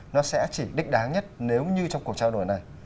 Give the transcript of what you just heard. nó sẽ chỉ đích đáng nhất nếu như trong cuộc trao đổi này